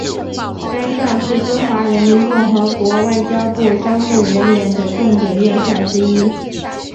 该校是中华人民共和国外交部招募人员的重点院校之一。